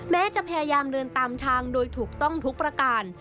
แม้จะพยายามเดินตามทางโดยถูกต้องทุกประการ